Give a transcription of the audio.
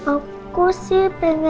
aku sih pengennya